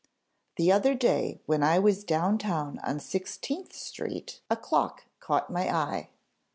"The other day when I was down town on 16th Street a clock caught my eye.